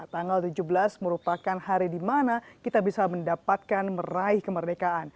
tanggal tujuh belas merupakan hari di mana kita bisa mendapatkan meraih kemerdekaan